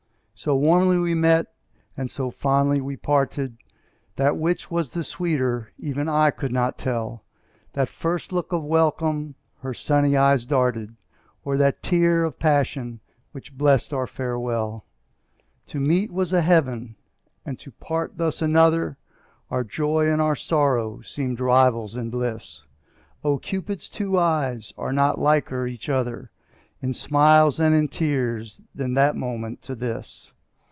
So warmly we met and so fondly we parted, That which was the sweeter even I could not tell, That first look of welcome her sunny eyes darted, Or that tear of passion, which blest our farewell. To meet was a heaven and to part thus another, Our joy and our sorrow seemed rivals in bliss; Oh! Cupid's two eyes are not liker each other In smiles and in tears than that moment to this.